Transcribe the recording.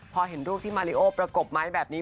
พอเห็นรูปที่มาริโอประกบไม้แบบนี้